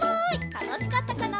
たのしかったかな？